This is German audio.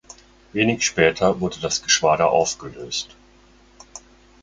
Wenig später wurde das Geschwader aufgelöst.